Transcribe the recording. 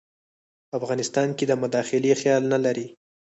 په افغانستان کې د مداخلې خیال نه لري.